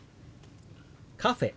「カフェ」。